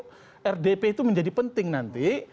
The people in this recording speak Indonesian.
kalau rdp itu menjadi penting nanti